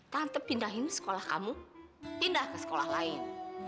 tante pindahin sekolah kamu pindah ke sekolah lain